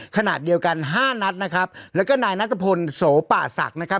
ขนาดเดียวกันห้านัดนะครับแล้วก็นายนัทพลโสป่าศักดิ์นะครับ